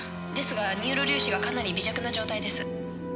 ですがニューロ粒子がかなり微弱な状態です。